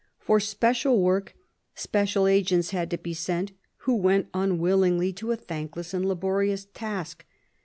For special work special agents had to be sent) who went unwilhngly to a thankless and laborious task.